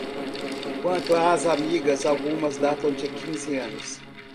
Quanto às amigas, algumas datam de quinze anos